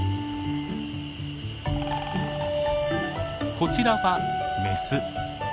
こちらはメス。